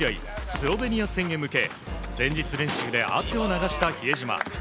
スロベニア戦へ向け前日練習で汗を流した比江島。